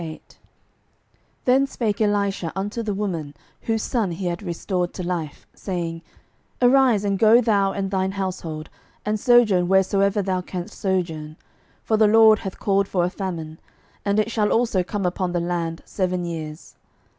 12:008:001 Then spake Elisha unto the woman, whose son he had restored to life, saying, Arise, and go thou and thine household, and sojourn wheresoever thou canst sojourn: for the LORD hath called for a famine; and it shall also come upon the land seven years.